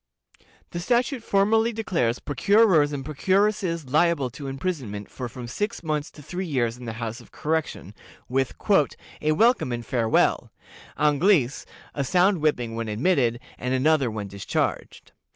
The statute formally declares procurers and procuresses liable to imprisonment for from six months to three years in the House of Correction, with "a welcome and farewell;" Anglice, a sound whipping when admitted, and another when discharged.